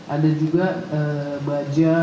ada juga baja